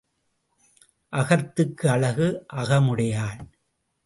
அகத்துக்கு அழகு அகமுடையாள்.